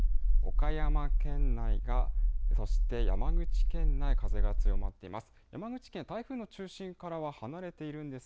岡山県内そして山口県内、風が強まっています。